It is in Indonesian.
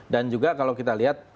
dan juga kalau kita lihat